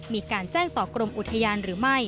มีการแจ้งต่อกรมอุทยานหรือไม่